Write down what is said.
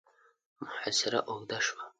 محاصره اوږده شوه.